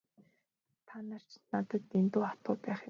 Та ч надад дэндүү хатуу байх юм.